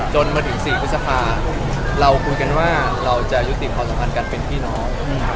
จนมาถึง๔พฤษภาเราคุยกันว่าเราจะยุติความสัมพันธ์กันเป็นพี่น้องนะครับ